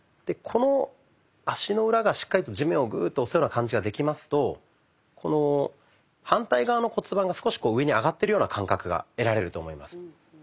この足の裏がしっかりと地面をグーッと押すような感じができますと反対側の骨盤が少し上に上がってるような感覚が得られると思います。